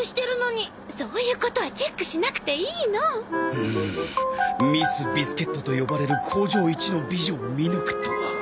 うんミスビスケットと呼ばれる工場一の美女を見抜くとは